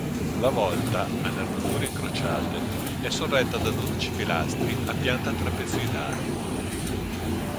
La volta, a nervature incrociate, è sorretta da dodici pilastri a pianta trapezoidale.